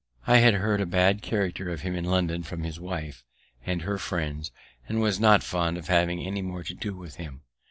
I had heard a bad character of him in London from his wife and her friends, and was not fond of having any more to do with him.